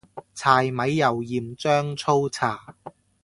柴米油鹽醬醋茶